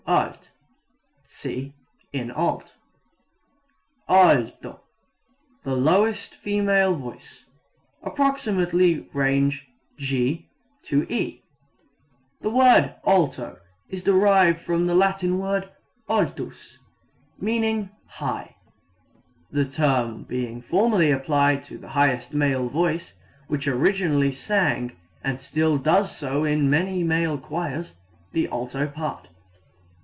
Alt see in alt. Alto the lowest female voice. Range approximately g e''. The word alto is derived from the Latin word altus, meaning high, the term being formerly applied to the highest male voice, which originally sang (and still does so in many male choirs) the alto part.